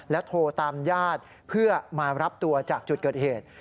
โทรตามญาติเพื่อมารับตัวจากจุดเกิดเหตุ